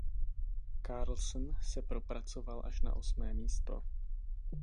Carlsson se propracoval až na osmé místo.